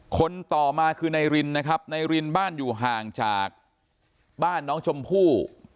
คนต่อมาคือนายรินนะครับนายรินบ้านอยู่ห่างจากบ้านน้องชมพู่